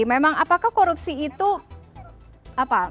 memang apakah korupsi itu apa